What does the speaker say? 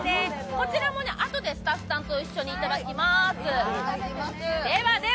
こちらも、あとでスタッフさんと一緒にいただきます。